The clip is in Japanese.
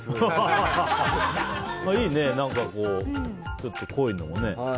いいね、ちょっと濃いのがね。